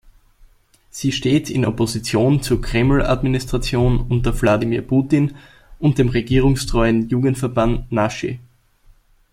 Sie steht in Opposition zur Kreml-Administration unter Wladimir Putin und dem regierungstreuen Jugendverband Naschi.